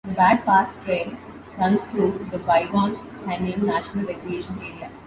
The Bad Pass Trail runs through the Bighorn Canyon National Recreation Area.